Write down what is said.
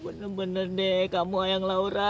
bener bener deh kamu ayang laura